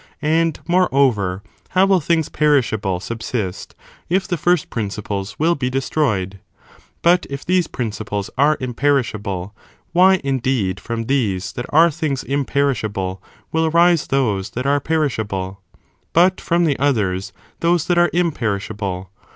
And, moreover, how will things peri^able subsist if the first principles will be destroyed? but if these principles are imperishable, why, indeed, from these that are things imperishable will arise those that are perishable, but from the others those that are imperishable